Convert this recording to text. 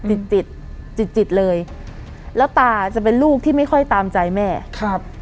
จิตจิตจิตเลยแล้วตาจะเป็นลูกที่ไม่ค่อยตามใจแม่ครับ